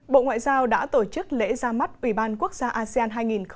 bộ ngoại giao đã tổ chức lễ ra mắt ủy ban quốc gia asean hai nghìn hai mươi